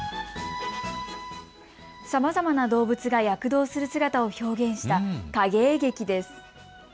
さまざまな動物が躍動する姿を表現した影絵劇です。